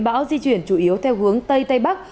bão di chuyển chủ yếu theo hướng tây tây bắc